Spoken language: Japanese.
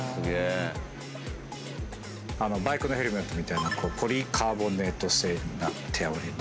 「バイクのヘルメットみたいなポリカーボネート製になっております」